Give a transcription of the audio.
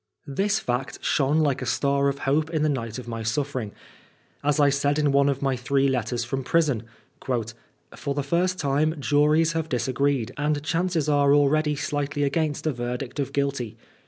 This fact 164 PRISONEB FOB BLASPHRMT. shone like a star of hope in the night of my snfiEeringr^ As I said in one of my three letters from prison :^^ For the first time juries have disagreed, and chances are already slightly against a verdict of Oailty.